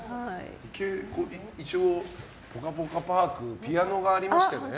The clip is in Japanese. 一応、ぽかぽかパークピアノがありましてね。